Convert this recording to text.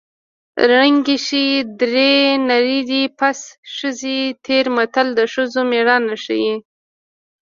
ړنګې شې درې نر دې پڅ ښځې تېرې متل د ښځو مېړانه ښيي